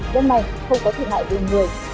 dân này không có thiệt hại đường người